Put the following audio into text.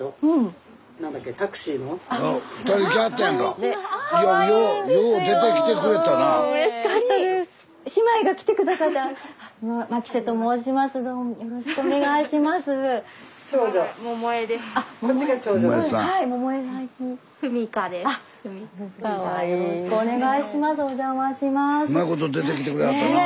スタジオうまいこと出てきてくれはったなあ。